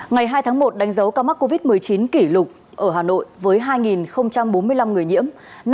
ngày hai tháng một đánh dấu ca mắc covid một mươi chín kỷ lục ở hà nội với hai bốn mươi năm người nhiễm